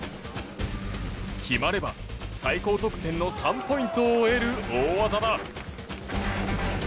決まれば最高得点の３ポイントを得る大技だ。